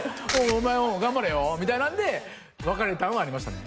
「お前も頑張れよ」みたいなんで別れたんはありましたね